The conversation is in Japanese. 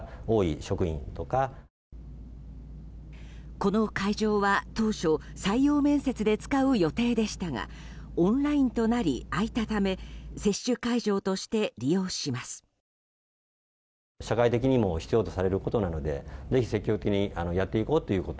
この会場は当初採用面接で使う予定でしたがオンラインとなり空いたため接種会場として利用します。